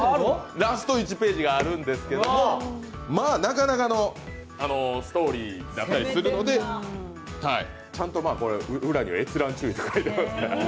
ラスト１ページがあるんですが、なかなかのストーリーだったりするので、ちゃんと裏には「閲覧注意」と書いてありますから。